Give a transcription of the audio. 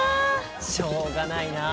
しょうがないなあ。